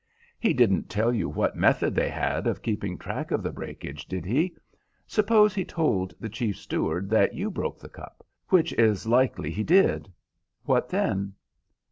"He didn't tell you what method they had of keeping track of the breakages, did he? Suppose he told the chief steward that you broke the cup, which is likely he did. What then?"